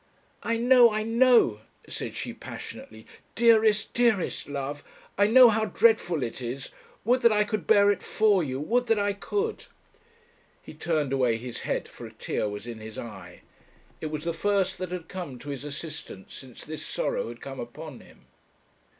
'I know, I know,' said she passionately, 'dearest, dearest love I know how dreadful it is; would that I could bear it for you! would that I could!' He turned away his head, for a tear was in his eye. It was the first that had come to his assistance since this sorrow had come upon him.